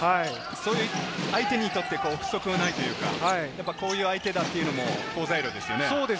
そういう相手にとって不足はないというか、こういう相手だっていうのも好材料ですよね。